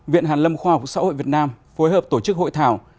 viện hàn lâm khoa học xã hội việt nam phối hợp tổ chức hội thảo